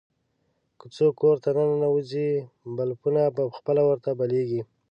که څوک کور ته ننوځي، بلپونه په خپله ورته بلېږي.